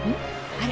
あれ？